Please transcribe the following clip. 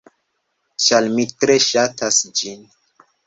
Ĉar mi tre ŝatas ĝin.